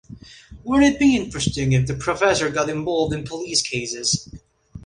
Wouldn't it be interesting if the professor got involved in police cases?